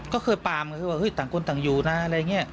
ก็เคยปามก็คือว่าต่างคนต่างอยู่นะอะไรอย่างนี้